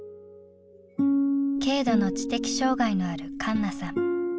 軽度の知的障害のある栞奈さん。